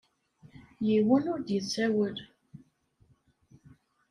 Yiwen ur d-yessawel.